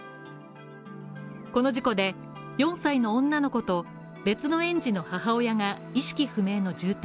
この事故で、４歳の女の子と、別の園児の母親が意識不明の重体。